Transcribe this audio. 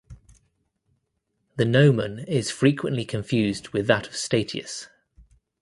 The nomen is frequently confused with that of "Statius".